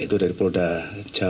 baik itu dari pulau tabes makassar